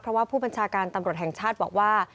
เพราะว่าผู้บัญชาการตำรวจแห่งชาติบอกว่า